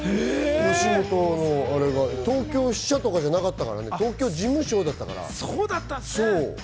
吉本のアレが東京支社じゃなかったからね、東京事務所だったから。